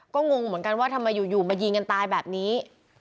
ก็งงเหมือนกันว่าทำไมอยู่มายิงกันตายแบบนี้